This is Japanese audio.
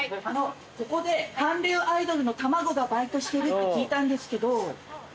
ここで韓流アイドルの卵がバイトしてるって聞いたんですけど。